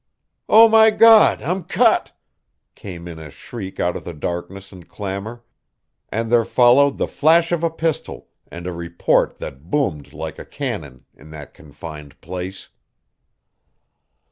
"Oh, my God, I'm cut!" came in a shriek out of the darkness and clamor; and there followed the flash of a pistol and a report that boomed like a cannon in that confined place.